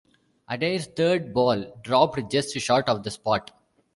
Adair's third ball dropped just short of the spot.